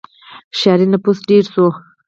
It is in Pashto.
• ښاري نفوس ډېر شو.